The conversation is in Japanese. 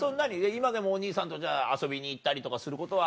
今でもお兄さんとじゃあ遊びに行ったりとかすることはあんの？